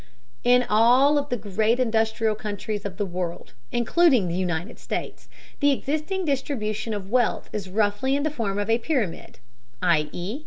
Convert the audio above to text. In all of the great industrial countries of the world, including the United States, the existing distribution of wealth is roughly in the form of a pyramid, i.e.